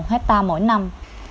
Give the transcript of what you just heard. một hecta mỗi năm